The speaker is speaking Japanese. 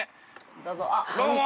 どうも！